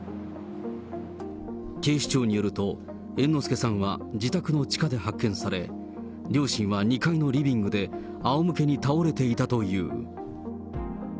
警視庁によると、猿之助さんは自宅に地下で発見され、両親は２階のリビングであおむけに倒れていたという。